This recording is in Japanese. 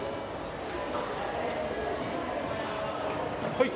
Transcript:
はい。